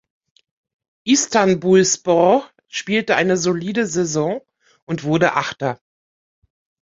Istanbulspor spielte eine solide Saison und wurde Achter.